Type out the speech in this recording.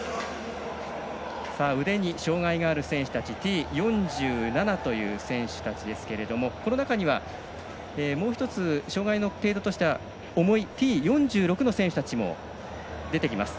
腕に障がいがある選手たちＴ４７という選手たちですがこの中には、もう１つ障がいの程度としては重いＴ４６の選手たちも出てきます。